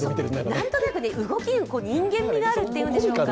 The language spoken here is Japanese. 何となく動きが人間味があるっていうんでしょうか。